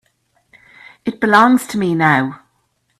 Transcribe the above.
It belongs to me now.